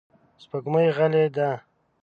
سپوږمۍ غلې ده.